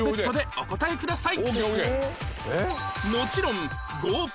お答えください